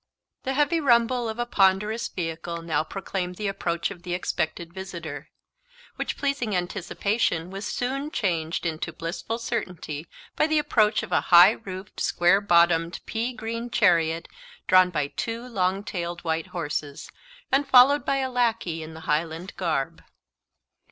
The heavy rumble of a ponderous vehicle now proclaimed the approach of the expected visitor; which pleasing anticipation was soon changed into blissful certainty by the approach of a high roofed, square bottomed, pea green chariot, drawn by two long tailed white horses, and followed by a lackey in the Highland garb.